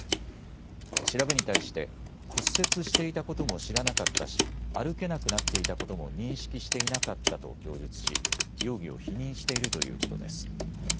調べに対して骨折していたことも知らなかったし、歩けなくなっていたことも認識していなかったと供述し容疑を否認しているということです。